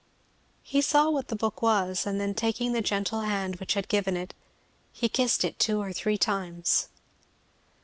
He saw what the book was; and then taking the gentle hand which had given it, he kissed it two or three times.